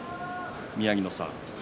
宮城野さん